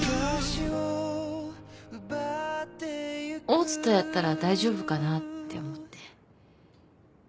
大津とやったら大丈夫かなって思って。